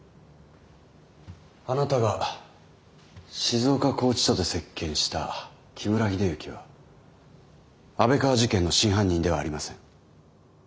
あなたが静岡拘置所で接見した木村秀幸は安倍川事件の真犯人ではありません。